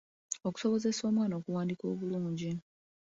Okusobozesa omwana okuwandiika obulungi.